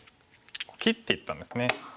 切っていったんですね。